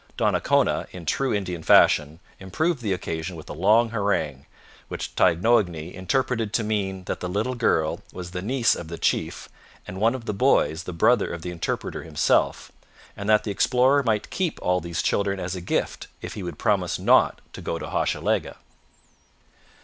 Donnacona, in true Indian fashion, improved the occasion with a long harangue, which Taignoagny interpreted to mean that the little girl was the niece of the chief and one of the boys the brother of the interpreter himself, and that the explorer might keep all these children as a gift if he would promise not to go to Hochelaga.